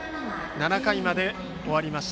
７回まで終わりました。